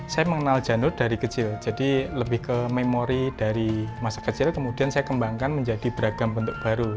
saya mengenal janur dari kecil jadi lebih ke memori dari masa kecil kemudian saya kembangkan menjadi beragam bentuk baru